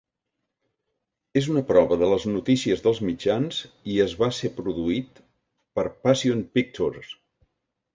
És una prova de les noticies dels mitjans i es va ser produït per Passion Pictures.